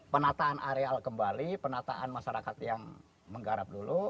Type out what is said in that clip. penataan areal kembali penataan masyarakat yang menggarap dulu